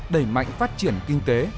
đẩy mạnh phát triển kinh tế